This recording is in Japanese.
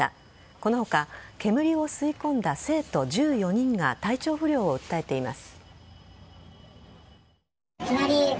この他煙を吸い込んだ生徒１４人が体調不良を訴えています。